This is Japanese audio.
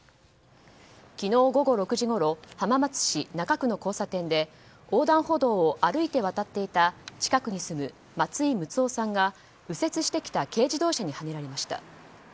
昨日午後６時ごろ浜松市中区の交差点で横断歩道を歩いて渡っていた近くに住む松井睦夫さんが右折してきた軽自動車にはねられました。